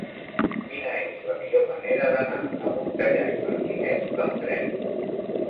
Quina és la millor manera d'anar a Montellà i Martinet amb tren?